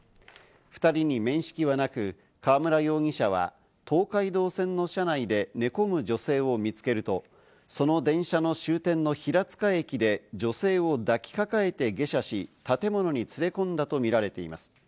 ２人に面識はなく、河村容疑者は東海道線の車内で寝込む女性を見つけると、その電車の終点の平塚駅で女性を抱きかかえて下車し、建物に連れ込んだとみられています。